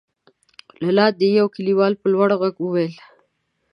له لاندې يوه کليوال په لوړ غږ وويل: